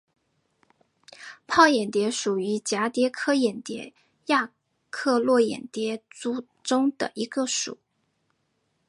泡眼蝶属是蛱蝶科眼蝶亚科络眼蝶族中的一个属。